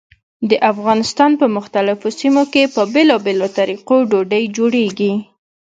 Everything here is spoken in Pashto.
د افغانستان په مختلفو سیمو کې په بېلابېلو طریقو ډوډۍ جوړېږي.